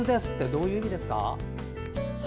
どういう意味ですか？